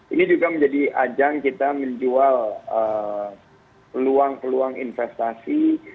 ini juga menjadi ajang kita menjual peluang peluang investasi